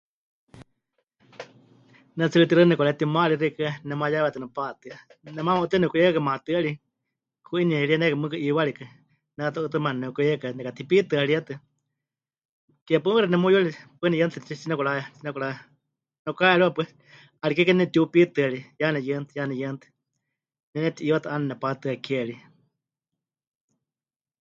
Ne tsɨ rikɨ tixaɨ nepɨkaretima ri xeikɨ́a nemayawetɨ nepatɨ́a, nemaama 'utɨa nepɨkuyeikakai maatɨari, pɨku'inieríenekai mɨɨkɨ 'iiwarikakɨ, ne ta 'utɨmana nepɨkuyeikakai nekatipitɨaríetɨ, ke paɨmexa nemuyuri paɨ neyɨanetɨ tsi... tsi nepɨkarenetima nepɨkaha'eriwa pues, 'ariké ke nepɨtiupitɨarie, ya neyɨanetɨ, ya neyɨanetɨ. Ne neti'iiwatɨ 'aana nepatɨ́a ke ri.